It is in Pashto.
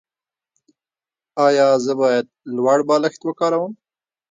ایا زه باید لوړ بالښت وکاروم؟